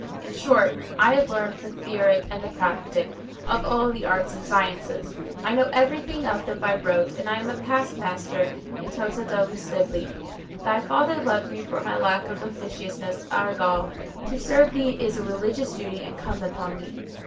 In short I have learned the theorick and the practick of all the arts and sciences; I know everything of them by rote and I am a past master in tota re scibili. Thy father loved me for my lack of officiousness, argal, to serve thee is a religious duty incumbent on me.